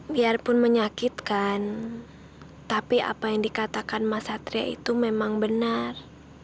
biarpun menyakitkan tapi apa yang dikatakan mas satria itu memang benar